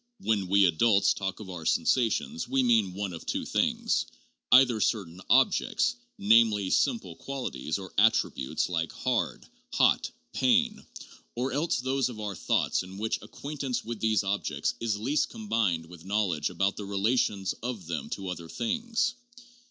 "When we adults talk of our 'sensations' we mean one of two things: either certain objects, namely, simple qualities or attributes like hard, hot, pain; or else those of our thoughts in which ac quaintance with these objects is least combined with knowledge about the relations of them to other things."